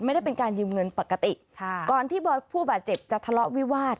ไม่ได้เป็นการยืมเงินปกติค่ะก่อนที่บอสผู้บาดเจ็บจะทะเลาะวิวาส